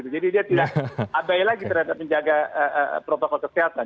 jadi dia tidak abai lagi terhadap menjaga protokol kesehatan